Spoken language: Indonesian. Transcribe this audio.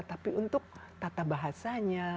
tapi untuk tata bahasanya